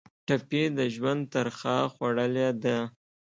ټپي د ژوند ترخه خوړلې ده.